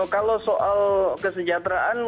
kalau soal kesejahteraan